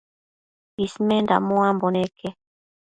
Ismenda muambo neque